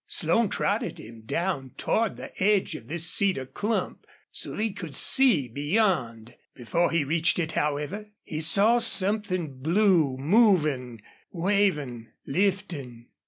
Slone trotted him down toward the edge of this cedar clump so that he could see beyond. Before he reached it, however, he saw something blue, moving, waving, lifting.